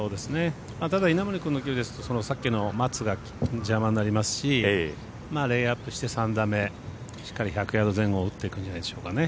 ただ、稲森君の場合さっきの松が邪魔になりますしレイアップして３打目しっかり１００ヤード前後打ってくるんじゃないでしょうかね。